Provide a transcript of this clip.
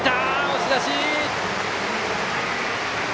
押し出し！